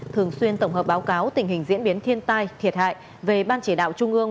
thường xuyên tổng hợp báo cáo tình hình diễn biến thiên tai thiệt hại về ban chỉ đạo trung ương